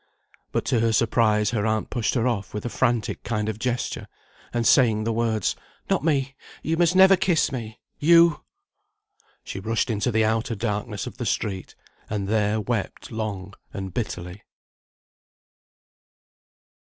But, to her surprise, her aunt pushed her off with a frantic kind of gesture, and saying the words, "Not me. You must never kiss me. You!" She rushed into the outer darkness of the street, and there wept long and bitterly.